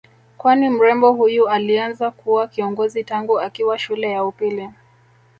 Kwani mrembo huyu alianza kuwa kiongozi tangu akiwa shule ya upili